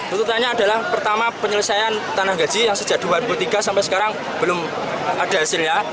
tuntutannya adalah pertama penyelesaian tanah gaji yang sejak dua ribu tiga sampai sekarang belum ada hasilnya